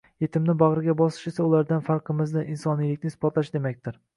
Yetimni bag'riga bosish esa ulardan farqimizni — insonlikni isbotlash demakdir.